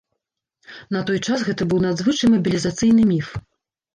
На той час гэта быў надзвычай мабілізацыйны міф.